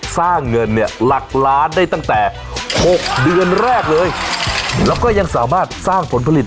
สร้างเงินเนี่ยหลักล้านได้ตั้งแต่๖เดือนแรกเลยแล้วก็ยังสามารถสร้างผลผลิต